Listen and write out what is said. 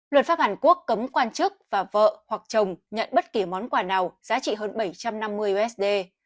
luật pháp hàn quốc cấm quan chức và vợ hoặc chồng nhận bất kỳ món quà nào giá trị hơn bảy trăm năm mươi usd